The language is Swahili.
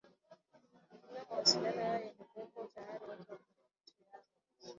kutumia mawasiliano hayo yaliyokuwepo tayari Watu wa Mediteraneo